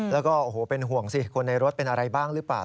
แล้วก็โอ้โหเป็นห่วงสิคนในรถเป็นอะไรบ้างหรือเปล่า